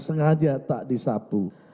sengaja tak disapu